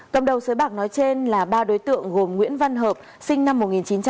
tổng đầu xới bạc nói trên là ba đối tượng gồm nguyễn văn hợp sinh năm một nghìn chín trăm chín mươi năm